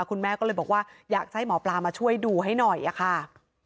คุณแม่ก็เลยบอกว่าอยากจะให้หมอปลามาช่วยดูให้หน่อยอะค่ะ